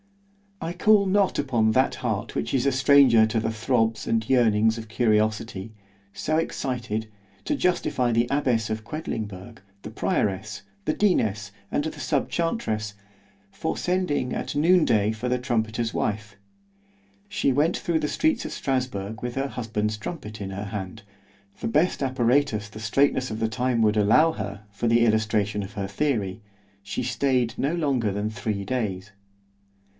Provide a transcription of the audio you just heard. I call not upon that heart which is a stranger to the throbs and yearnings of curiosity, so excited, to justify the abbess of Quedlingberg, the prioress, the deaness, and sub chantress, for sending at noon day for the trumpeter's wife: she went through the streets of Strasburg with her husband's trumpet in her hand,——the best apparatus the straitness of the time would allow her, for the illustration of her theory—she staid no longer than three days.